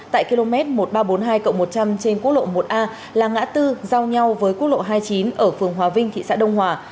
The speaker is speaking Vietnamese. tại km một nghìn ba trăm bốn mươi hai một trăm linh trên quốc lộ một a là ngã tư giao nhau với quốc lộ hai mươi chín ở phường hòa vinh thị xã đông hòa